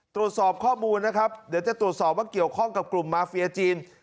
ตรวจสอบข้อมูลนะครับเดี๋ยวจะตรวจสอบว่าเกี่ยวข้องกับกลุ่มมาเฟียจีน